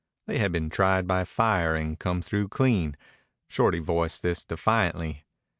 They had been tried by fire and come through clean. Shorty voiced this defiantly.